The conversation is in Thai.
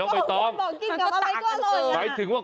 กินกับอะไรก็อร่อย